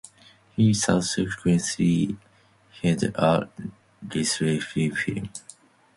He subsequently headed a recycling firm.